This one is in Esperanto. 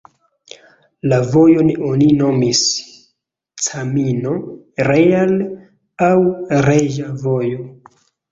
La vojon oni nomis "Camino Real" aŭ Reĝa Vojo.